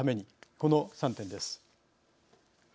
この３点です。